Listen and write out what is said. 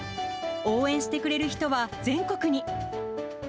応援してくれる人は全国に。